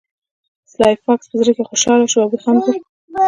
سلای فاکس په زړه کې خوشحاله شو او وخندل